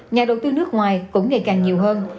nhà đầu tư nước ngoài cũng ngày càng nhiều hơn